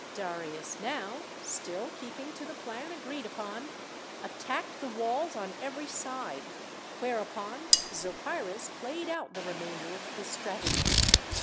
Darius now, still keeping to the plan agreed upon, attacked the walls on every side, whereupon Zopyrus played out the remainder of his stratagem.